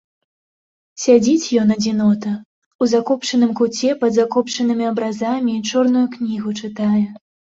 Сядзіць ён, адзінота, у закопчаным куце пад закопчанымі абразамі і чорную кнігу чытае.